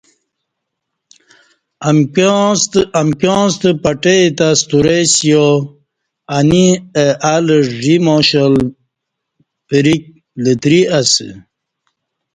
امکیاں ستہ پٹئ تہ ستورئی سِیا انی اہ الہ ژی ماشال پرِک لتیری اسہ